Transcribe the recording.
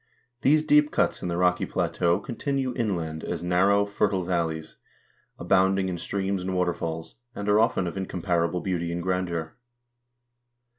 These deep cuts in the rocky plateau continue inland as narrow, fertile valleys, abounding in streams and waterfalls, and are often of incomparable beauty and grandeur.